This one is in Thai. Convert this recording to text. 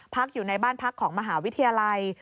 พักอยู่ในบ้านพักของมหาวิทยาลัย